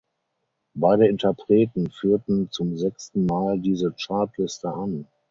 Beide Interpreten führten zum sechsten Mal diese Chartliste an.